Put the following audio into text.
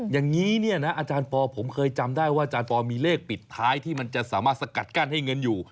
อย่างนี้เนี่ยนะอาจารย์ปอลผมเคยจำได้ว่าอาจารย์ปอมีเลขปิดท้ายที่มันจะสามารถสกัดกั้นให้เงินอยู่